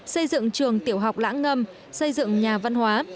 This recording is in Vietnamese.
xây dựng trường tiểu học lãng ngâm xây dựng nhà văn hóa